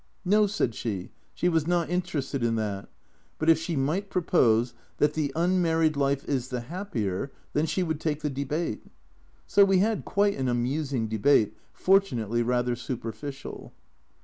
No, said she, she was not interested in that, but if she might propose that "The unmarried life is the happier, then she would take the Debate." So we had quite an amusing Debate, fortunately rather superficial.